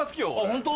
ホント？